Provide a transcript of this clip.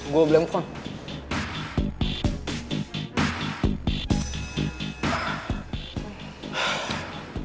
gua beli handphone